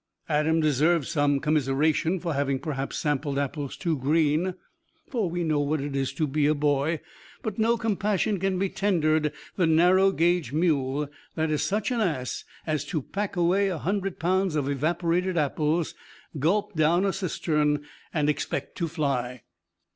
Adam deserved some commiseration for having perhaps sampled apples too green, for we know what it is to be a boy, but no compassion can be tendered the 'narrow gage mule' that is such an ass as to pack away a hundred pounds of evaporated apples, gulp down a cistern, and expect to fly."